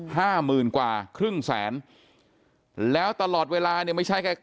ห้าหมื่นกว่าครึ่งแสนแล้วตลอดเวลาเนี่ยไม่ใช่แค่